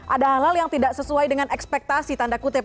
adalah yang tidak sesuai dengan ekspektasi tanda kutip